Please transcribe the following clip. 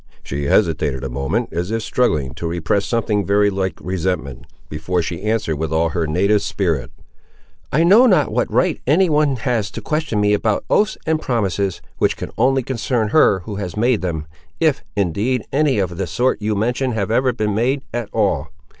She hesitated a moment, as if struggling to repress something very like resentment, before she answered with all her native spirit— "I know not what right any one has to question me about oaths and promises, which can only concern her who has made them, if, indeed, any of the sort you mention have ever been made at all.